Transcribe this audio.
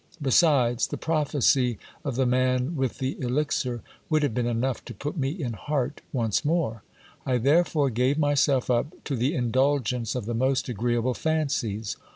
Besides, the prophecy of the man with the elixir would have been enough to put me in heart once more. I therefore gave myself up to the indulgence of the most agreeable fancies.